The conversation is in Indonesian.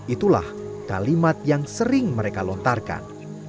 itulah kalimat yang sering mereka lontarkan